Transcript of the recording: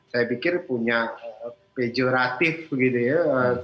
saya pikir punya pejoratif begitu ya